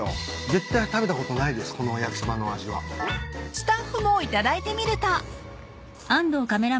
［スタッフも頂いてみると］